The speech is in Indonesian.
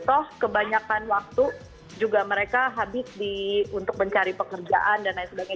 toh kebanyakan waktu juga mereka habis untuk mencari pekerjaan dan lain sebagainya